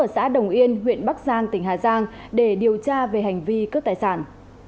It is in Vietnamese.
xã đồng yên huyện bắc giang tỉnh hà giang để điều tra về hành vi cướp tài sản